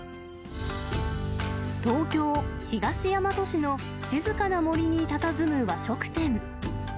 東京・東大和市の静かな森にたたずむ和食店。